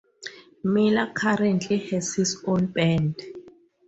Miller currently has his own band.